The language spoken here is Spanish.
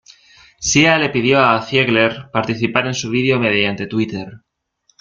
Sia le pidió a Ziegler participar en su video mediante Twitter.